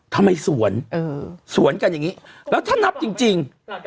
สวนสวนกันอย่างนี้แล้วถ้านับจริง